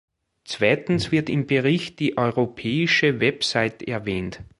Zweitens wird im Bericht die europäische Website erwähnt.